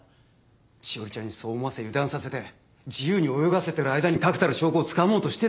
詩織ちゃんにそう思わせ油断させて自由に泳がせてる間に確たる証拠をつかもうとしてたんだ。